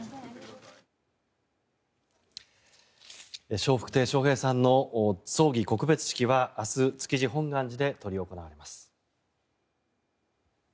笑福亭笑瓶さんの葬儀・告別式は明日、築地本願寺で執り行われます。